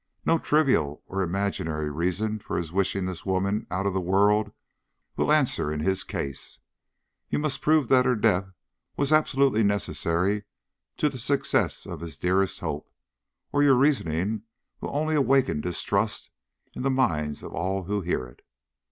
No trivial or imaginary reason for his wishing this woman out of the world will answer in his case. You must prove that her death was absolutely necessary to the success of his dearest hopes, or your reasoning will only awaken distrust in the minds of all who hear it.